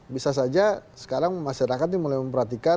bisa saja sekarang masyarakat ini mulai memperhatikan